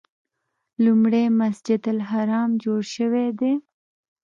لومړی مسجد الحرام جوړ شوی دی.